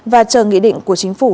và chờ nghị định của chính phủ